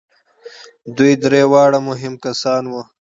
دوی درې واړه مهم کسان وو.